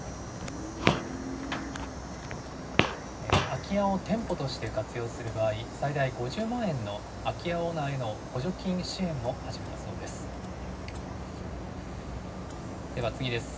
空き家を店舗として活用する場合、最大５０万円の空き家オーナーへの補助金支援も始めたそうです。